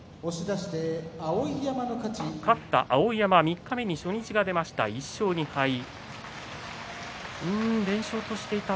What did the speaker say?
勝った碧山三日目に初日が出ました。